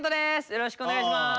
よろしくお願いします。